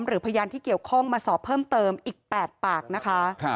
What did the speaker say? หรือพยานที่เกี่ยวข้องมาสอบเพิ่มเติมอีก๘ปากนะคะ